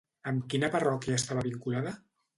Amb quina parròquia estava vinculada?